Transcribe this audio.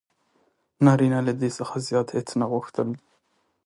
نارینه له دې څخه زیات هیڅ نه غوښتل: